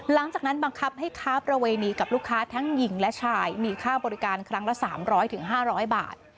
หลังจากนั้นบังคับให้ค้าประเวณีกับลูกค้าทั้งหญิงและชายมีค่าบริการครั้งละ๓๐๐๕๐๐บาท